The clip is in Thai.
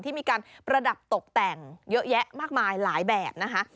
ที่มีการประดับตกแต่งเยอะแยะมากมายหลายแบบนะคะ